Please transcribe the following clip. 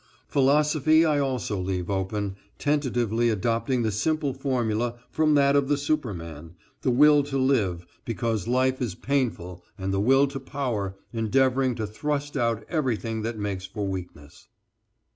Philosophy I also leave open, tentatively adopting the simple formula from that of the superman, the will to live because life is painful and the will to power, endeavoring to thrust out everything that makes for weakness.